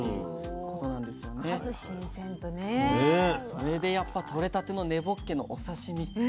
それでやっぱとれたての根ぼっけのお刺身